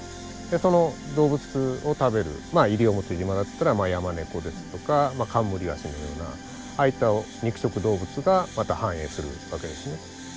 その動物を食べる西表島だったらヤマネコですとかカンムリワシのようなああいった肉食動物がまた繁栄するわけですね。